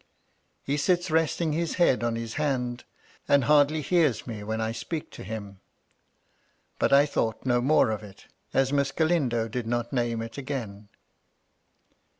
^' He sits resting his head on his hand, and hardly hears me when I speak to him." But I thought no more of it, as Miss Galindo did not name it again.